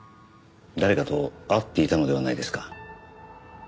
誰かと会っていたのではないですか？